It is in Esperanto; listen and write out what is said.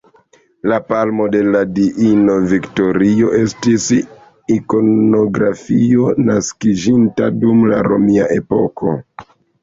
La palmo de la diino Viktorio estis ikonografio naskiĝinta dum la romia epoko.